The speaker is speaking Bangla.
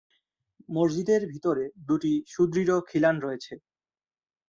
মসজিদের ভিতরে দুটি সুদৃঢ় খিলান রয়েছে।